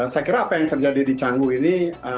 saya kira apa yang terjadi di canggu ini